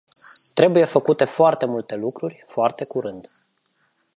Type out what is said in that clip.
Trebuie făcute foarte multe lucruri, foarte curând.